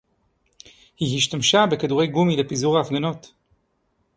היא השתמשה בכדורי גומי לפיזור ההפגנות